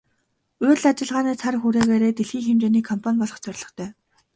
Үйл ажиллагааны цар хүрээгээрээ дэлхийн хэмжээний компани болох зорилготой.